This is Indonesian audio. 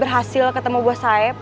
berhasil ketemu bos saeb